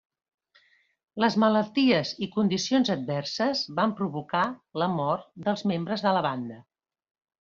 Les malalties i condicions adverses van provocar la mort dels membres de la banda.